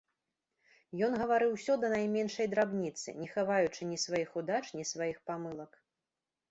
Ён гаварыў усё да найменшай драбніцы, не хаваючы ні сваіх удач, ні сваіх памылак.